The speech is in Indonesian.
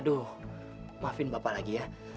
aduh maafin bapak lagi ya